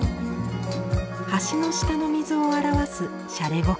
橋の下の水を表すシャレ心。